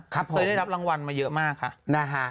เคยได้รับรางวัลมาเยอะมากค่ะนะฮะ